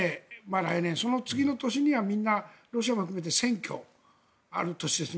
来年、その次の年にはみんなロシアも含めて選挙がある年です。